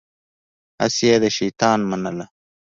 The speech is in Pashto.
هسې يې د شيطان منله.